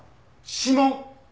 指紋。